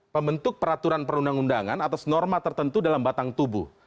pembentuk peraturan perundang undangan atas norma tertentu dalam batang tubuh